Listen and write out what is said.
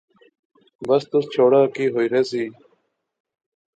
بس تس چھوڑا، کی ہوئی رہسی